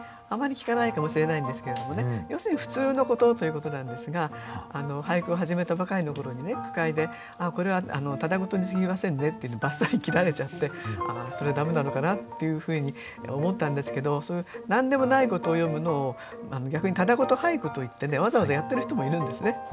あまり聞かないかもしれないんですけれども要するに普通のことということなんですが俳句を始めたばかりの頃にね句会で「ああこれはただごとに過ぎませんね」っていうふうにばっさり切られちゃってああそれは駄目なのかなっていうふうに思ったんですけど何でもないことを詠むのを逆にただごと俳句といってねわざわざやってる人もいるんですね。